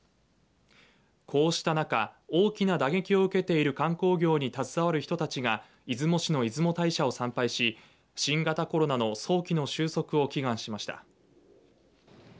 こうした中、大きな打撃を受けている観光業に携わる人たちが出雲市の出雲大社を参拝し新型コロナの早期の終息を祈願しました。